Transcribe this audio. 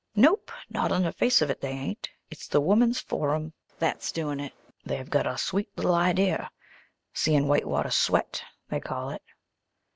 "Nope; not on the face of it they ain't. It's the Woman's Forum that's doin' this. They've got a sweet little idea. 'Seein' Whitewater Sweat' they call it.